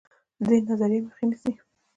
د دې نظریې مخه نیسي.